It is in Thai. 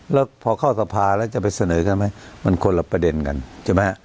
แล้วพอเข้าสภาแล้วจะไปเสนอกันไหมมันคนละประเด็นกันใช่ไหมฮะ